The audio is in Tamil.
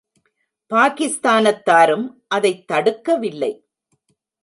பாகிஸ்தானத்தாரும் அதைத் தடுக்கவில்லை.